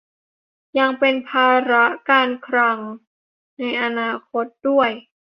ยังเป็นภาระการคลังในอนาคตด้วย